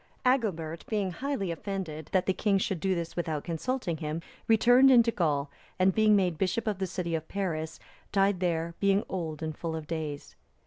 (328) Agilbert, being highly offended, that the king should do this without consulting him, returned into Gaul, and being made bishop of the city of Paris, died there, being old and full of days.